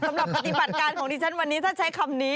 กำลับปฏิบัติการของดิจันทร์วันนี้ถ้าใช้คำนี้